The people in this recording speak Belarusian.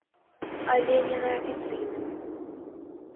Але не на афіцыйным.